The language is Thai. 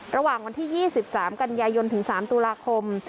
ระหว่างวันที่ยี่สิบสามกันยายนถึงสามตุลาคม